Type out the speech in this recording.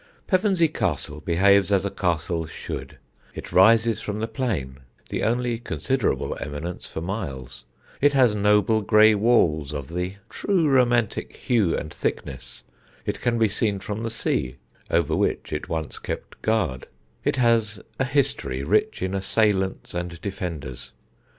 Pevensey Castle behaves as a castle should: it rises from the plain, the only considerable eminence for miles; it has noble grey walls of the true romantic hue and thickness; it can be seen from the sea, over which it once kept guard; it has a history rich in assailants and defenders.